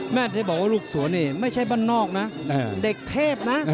ที่บอกว่าลูกสวนนี่ไม่ใช่บ้านนอกนะเด็กเทพนะ